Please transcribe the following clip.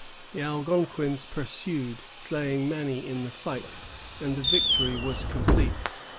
The Algonquins pursued, slaying many in the flight, and the victory was complete.